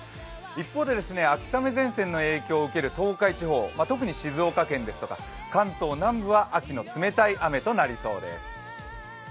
一方で、秋雨前線の影響を受ける東海地方、特に静岡県ですとか関東南部は秋の冷たい雨となりそうです。